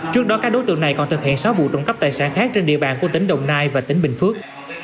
trước đó các đối tượng này còn thực hiện sáu vụ trộm cắp tài sản khác trên địa bàn của tỉnh đồng nai và tỉnh bình phước